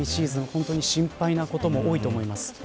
本当に心配なことも多いと思います。